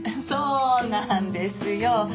そうなんですよ。